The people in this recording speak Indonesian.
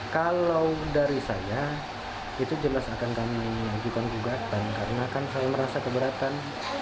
karena kan saya merasa keberatan